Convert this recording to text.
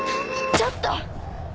ちょっと！